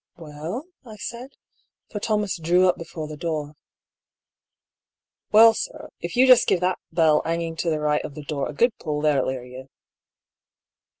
" Well? " I said, for Thomas drew up before the door. " Well, sir, if you just give that bell hanging to the right of the door a good pull, they'll hear you."